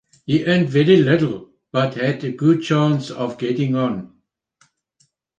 He earned very little, but had a good chance of getting on.